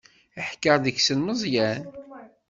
Iḥekker deg-sen Meẓyan.